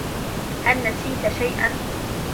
هل نسيت شيئا؟